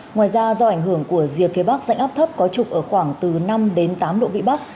ngoài ra do ảnh hưởng của diệt phía bắc dạnh áp thấp có trục ở khoảng từ năm tám độ vị bắc